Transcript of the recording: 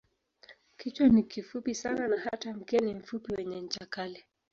Kichwa ni kifupi sana na hata mkia ni mfupi wenye ncha kali.